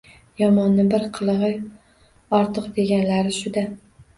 Yomonni bir qilig‘i ortiq deganlari shu-da.